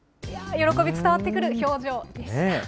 喜び伝わってくる表情でした。